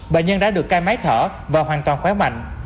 bệnh nhân đã được cai máy thở và hoàn toàn khóe mạnh